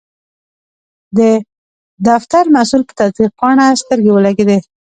د فتر مسول په تصدیق پاڼه سترګې ولګیدې.